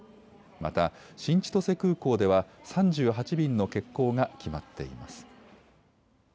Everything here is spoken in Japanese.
また新千歳空港では３８便の欠航が決まっています。